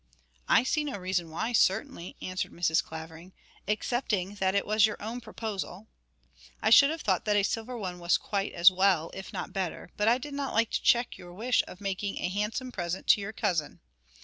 'I see no reason why, certainly,' answered Mrs. Clavering, 'excepting that it was your own proposal. I should have thought that a silver one was quite as well, if not better; but I did not like to check your wish of making a handsome present to your cousin.